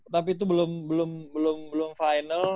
tapi itu belum final